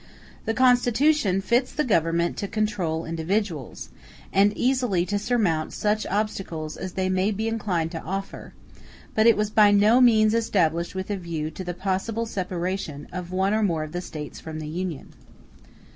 The Constitution fits the Government to control individuals, and easily to surmount such obstacles as they may be inclined to offer; but it was by no means established with a view to the possible separation of one or more of the States from the Union.